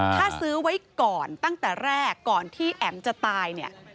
ถ้าซื้อไว้ก่อนตั้งแต่แรกก่อนที่แอ๋มจะตายเนี่ย